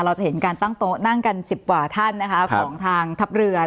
เราจะเห็นการตั้งโต๊ะนั่งกัน๑๐กว่าท่านนะคะของทางทัพเรือ